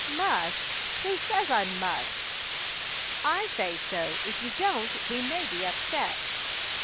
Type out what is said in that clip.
"Must! Who says I must?" "I say so; if you don't, we may be upset."